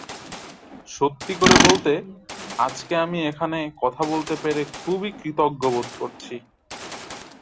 সত্যি করে বলতে, আজকে আমি এখানে কথা বলতে পেরে খুবই কৃতজ্ঞ বোধ করছি।